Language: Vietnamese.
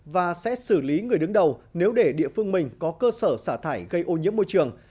và sẽ xử lý người đứng đầu nếu để địa phương mình có cơ sở xả thải gây ô nhiễm môi trường